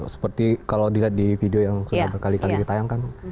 seperti kalau dilihat di video yang sudah berkali kali ditayangkan